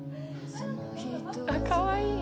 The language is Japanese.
あっかわいい！